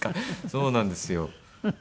そうなんです。